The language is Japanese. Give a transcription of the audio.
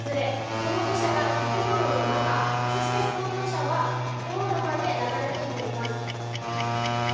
その土砂が建物の中そして、その土砂は道路まで流れ込んでいます。